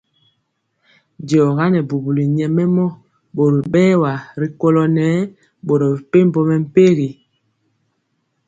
Diɔga nɛ bubuli nyɛmemɔ bori bɛwa rikolo nɛɛ boro mepempɔ mɛmpegi.